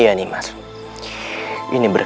yang lain saja